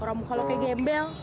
orang muka lo kayak gembel